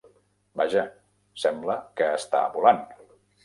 Vaja! Sembla que està volant!